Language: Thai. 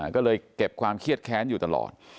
ก็เลยเก็บความเครียดแค้นอยู่ตลอด